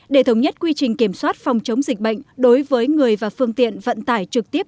để thống nhất quy trình kiểm soát phòng chống dịch bệnh đối với người và phương tiện vận tải trực tiếp